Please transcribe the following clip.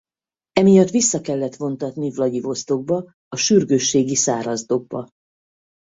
Emiatt vissza kellett vontatni Vlagyivosztokba a sürgősségi szárazdokkba.